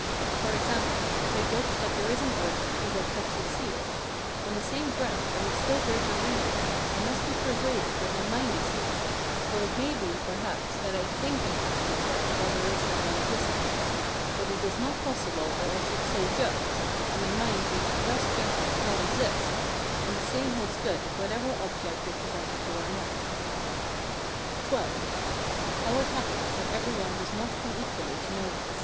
For example, if I judge that there is an earth because I touch or see it, on the same ground, and with still greater reason, I must be persuaded that my mind exists; for it may be, perhaps, that I think I touch the earth while there is one in existence; but it is not possible that I should so judge, and my mind which thus judges not exist; and the same holds good of whatever object is presented to our mind. XII. How it happens that every one does not come equally to know this.